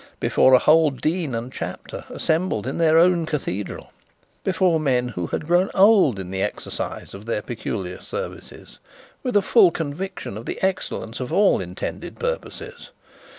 Before a whole dean and chapter assembled in their own cathedral! Before men who had grown old in the exercise of their peculiar services, with a full conviction of their excellence for all intended purposes!